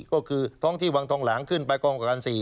ก็คือท้องที่วังทองหลังขึ้นไปกองกับการ๔